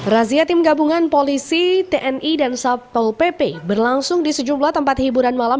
razia tim gabungan polisi tni dan satpol pp berlangsung di sejumlah tempat hiburan malam